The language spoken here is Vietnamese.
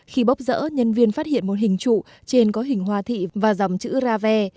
khi bốc rỡ nhân viên phát hiện một hình trụ trên có hình hoa thị và dòng chữ ra ve